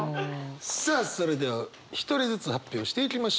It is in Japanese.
さあそれでは一人ずつ発表していきましょう。